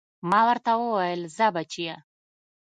ما ورته وويل ځه بچيه.